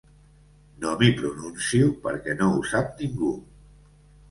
No m’hi pronuncio perquè no ho sap ningú.